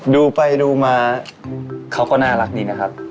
ดูไปดูมาเขาก็น่ารักดีนะครับ